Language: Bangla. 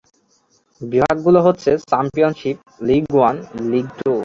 বিভাগগুলো হচ্ছে championship, league one, league two.